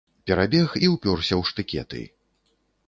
Перабег і ўпёрся ў штыкеты.